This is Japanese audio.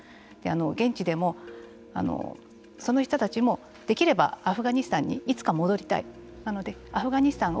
現地でも、その人たちもできればアフガニスタンにいつか戻りたいなのでアフガニスタンを